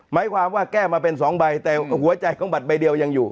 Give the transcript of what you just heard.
หมายความว่าแก้มาเป็น๒ใบแต่หัวใจของบัตรใบเดียวยังอยู่